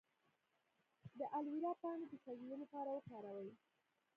د الوویرا پاڼې د سوځیدو لپاره وکاروئ